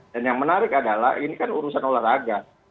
dan yang menarik adalah ini kan urusan olahraga